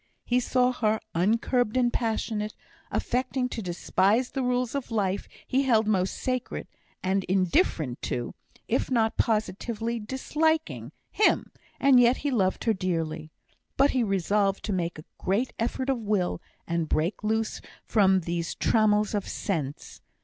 He saw her uncurbed and passionate, affecting to despise the rules of life he held most sacred, and indifferent to, if not positively disliking him; and yet he loved her dearly. But he resolved to make a great effort of will, and break loose from these trammels of sense.